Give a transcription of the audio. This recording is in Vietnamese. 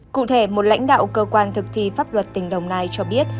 cụ thể một lãnh đạo cơ quan thực thi pháp luật tỉnh đồng nai cho biết